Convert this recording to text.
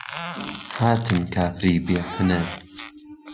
هاتن کافری بیحونەر